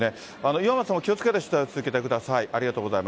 岩松さんも気をつけて取材を続けてください。